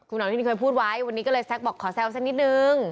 คุณอนุทินเคยพูดไว้วันนี้ก็เลยแซ็กบอกขอแซวสักนิดนึง